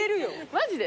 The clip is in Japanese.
マジで？